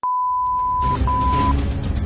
สวัสดีครับ